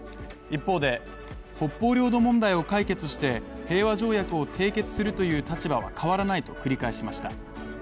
一方で、北方領土問題を解決して平和条約を締結するという立場は変わらないと繰り返しました。